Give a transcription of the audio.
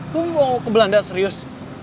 tunggu mau ke belanda serius